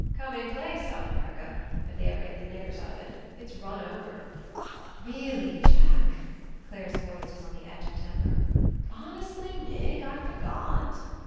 "Coming place, South America, if they 72 ENCOUNTER ever get the niggers out of it. It's run over —" ^'Really, Jack!" Clare's voice was on the edge of temper. "Honestly, Nig, I forgot."